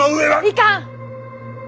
いかん！